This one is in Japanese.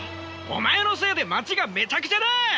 お前のせいで街がめちゃくちゃだ！